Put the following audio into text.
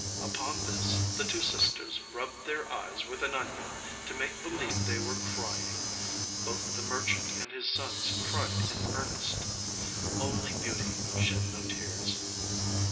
Upon this the two sisters rubbed their eyes with an onion to make believe they were crying; both the merchant and his sons cried in earnest. Only Beauty shed no tears.